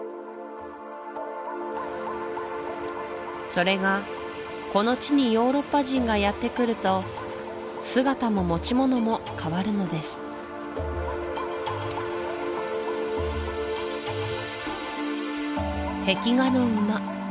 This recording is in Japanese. それがこの地にヨーロッパ人がやってくると姿も持ち物も変わるのです壁画の馬